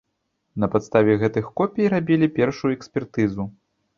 На падставе гэтых копій рабілі першую экспертызу.